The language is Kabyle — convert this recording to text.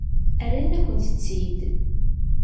Rran-akent-t-id.